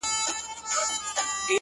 • پر کومي لوري حرکت وو حوا څه ډول وه ـ